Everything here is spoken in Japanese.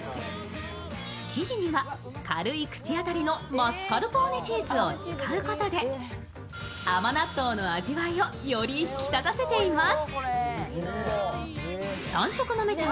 生地には軽い口当たりのマスカルポーネチーズを使うことで甘納豆の味わいをより引き立たせています。